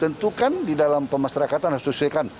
tentukan di dalam pemastrakatan harus disesuaikan